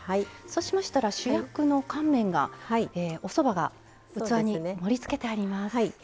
そうしましたら主役の乾麺がおそばが器に盛りつけてあります。